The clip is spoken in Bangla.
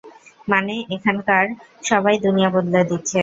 মানে, এখানকার সবাই দুনিয়া বদলে দিচ্ছে।